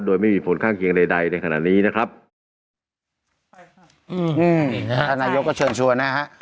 โดยไม่มีผลข้างเคียงใดใดในขณะนี้นะครับอืมนะฮะท่านนายกก็เชิญชวนนะฮะ